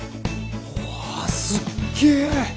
うわすっげえ！